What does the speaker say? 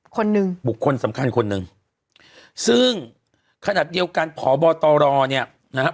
คนหนึ่งบุคคลสำคัญคนหนึ่งซึ่งขนาดเดียวกันพบตรเนี่ยนะครับ